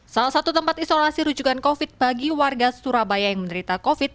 salah satu tempat isolasi rujukan covid bagi warga surabaya yang menderita covid